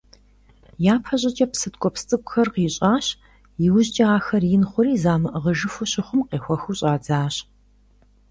Япэ щӀыкӀэ псы ткӀуэпс цӀыкӀухэр къищӀащ, иужькӀэ ахэр ин хъури, замыӀыгъыжыфу щыхъум, къехуэхыу щӀадзащ.